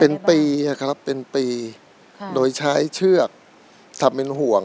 เป็นปีครับเป็นปีโดยใช้เชือกทำเป็นห่วง